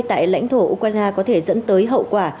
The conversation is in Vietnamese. tại lãnh thổ ukraine có thể dẫn tới hậu quả